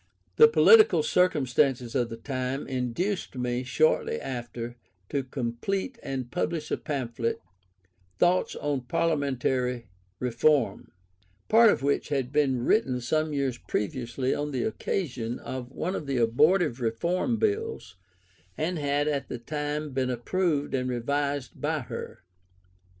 The political circumstances of the time induced me, shortly after, to complete and publish a pamphlet (Thoughts on Parliamentary Reform), part of which had been written some years previously on the occasion of one of the abortive Reform Bills, and had at the time been approved and revised by her.